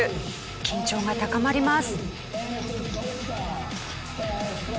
緊張が高まります。